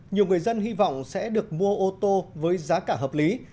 nhiều người dân hy vọng sẽ được mua ô tô với giá cả hợp lý